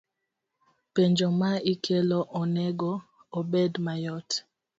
Penjo ma ikelo onego obed mayot